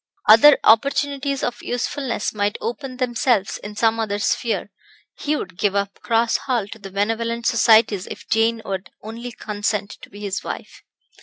Other opportunities of usefulness might open themselves in some other sphere; he would give up Cross Hall to the benevolent societies if Jane would only consent to be his wife.